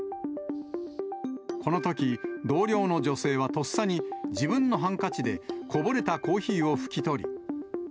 このとき、同僚の女性はとっさに、自分のハンカチでこぼれたコーヒーを拭き取り。